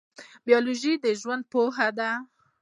بیولوژي د ژوند پوهنه ده